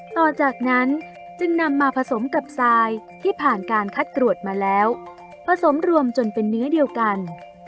ต่อจากนั้นจึงนำมาผสมกับทรายที่ผ่านการคัดกรวดมาแล้วผสมรวมจนเป็นเนื้อเดียวกัน